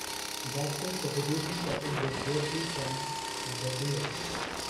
Jackson's reputation suffered greatly from the duel.